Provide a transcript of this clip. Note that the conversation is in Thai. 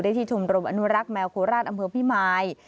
ที่ชมรมอนุรักษ์แมวโคราชอำเภอพิมาย